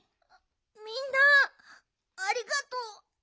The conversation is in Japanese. みんなありがとう。